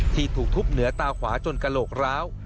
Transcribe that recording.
ที่ถูกทุบเหนือตาขวาจนกระโหลกร้าว